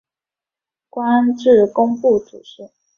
官至工部主事。